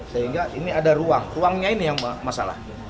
sehingga ini ada ruang ruangnya ini yang masalah